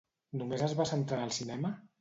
Només es va centrar en el cinema?